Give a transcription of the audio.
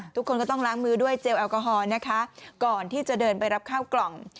ทุกคนก็ต้องล้างมือด้วยเจลแอลกอฮอล์นะคะก่อนที่จะเดินไปรับข้าวกล่อง